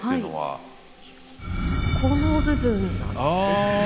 この部分なんですね。